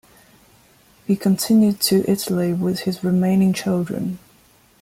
He continued to Italy with his remaining children.